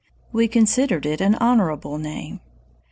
We considered it an honorable name.